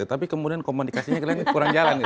tapi kemudian komunikasinya kurang jalan